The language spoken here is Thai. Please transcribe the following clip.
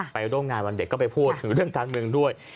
ไปร่วมงานวันเด็กก็ไปพูดถึงเรื่องการเมืองด้วย